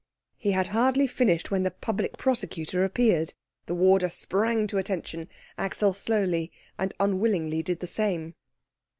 He had hardly finished when the Public Prosecutor appeared. The warder sprang to attention. Axel slowly and unwillingly did the same.